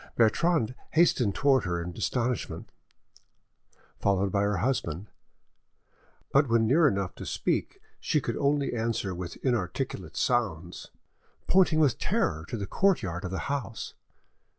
Bertrande hastened towards her in astonishment, followed by her husband, but when near enough to speak she could only answer with inarticulate sounds, pointing with terror to the courtyard of the house.